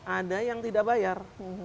ada yang tidak bayar